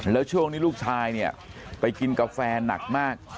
แล้วช่วงนี้ลูกชายเนี่ยไปกินกาแฟหนักมาก